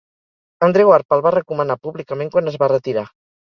Andreu Arpa el va recomanar públicament quan es va retirar.